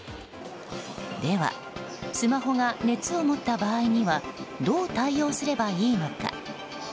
では、スマホが熱を持った場合にはどう対応すればいいのか。